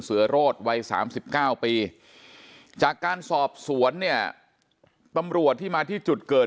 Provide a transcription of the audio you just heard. โรธวัย๓๙ปีจากการสอบสวนเนี่ยตำรวจที่มาที่จุดเกิด